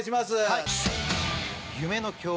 はい。